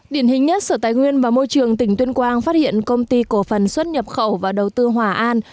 điển hình nhất sở tài nguyên và môi trường tỉnh tuyên quang phát hiện công ty cổ phần xuất nhập khẩu và đầu tư hòa an